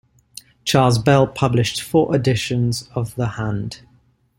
Charles Bell published four editions of "The Hand".